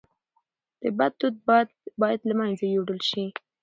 د بد دود باید له منځه یووړل سي.